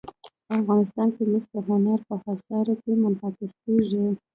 افغانستان کې مس د هنر په اثار کې منعکس کېږي.